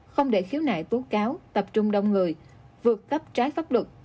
không để khiếu nại tố cáo tập trung đông người vượt cấp trái pháp luật